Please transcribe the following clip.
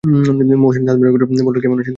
মহসিন দাঁত বের করে বলল, কেমন আছেন দুলাভাই?